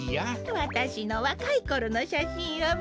わたしのわかいころのしゃしんをみてたんですよ。